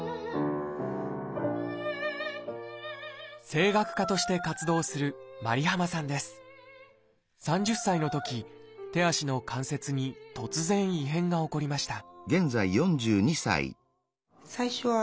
声楽家として活動する３０歳のとき手足の関節に突然異変が起こりました